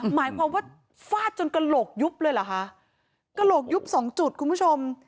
หมายความว่าฟาดจนกระโหลกยุบเลยเหรอคะกระโหลกยุบสองจุดคุณผู้ชม